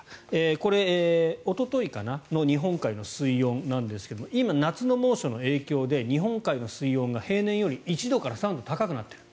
これ、おとといかな日本海の水温なんですが今、夏の猛暑の影響で日本海の水温が平年より１度から３度高くなっている。